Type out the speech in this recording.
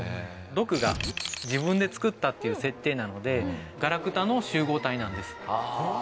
僕が自分で作ったっていう設定なのでガラクタの集合体なんです。